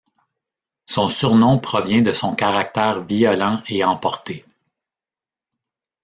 Son surnom provient de son caractère violent et emporté.